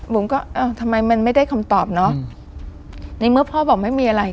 ผมก็อ้าวทำไมมันไม่ได้คำตอบเนอะในเมื่อพ่อบอกไม่มีอะไร